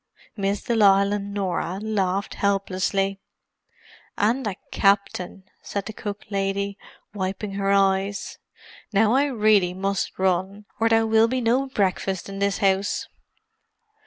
Miss de Lisle and Norah laughed helplessly. "And a captain!" said the cook lady, wiping her eyes. "Now I really must run, or there will be no breakfast in this house."